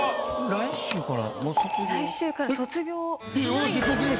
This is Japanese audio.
来週から卒業。